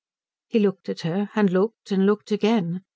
He looked at her, and looked, and looked again.